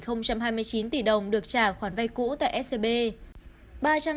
cụ thể năm mươi bảy hai mươi chín tỷ đồng được trả khoản vay cũ tại scb